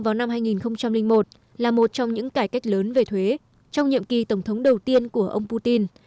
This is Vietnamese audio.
vào năm hai nghìn một là một trong những cải cách lớn về thuế trong nhiệm kỳ tổng thống đầu tiên của ông putin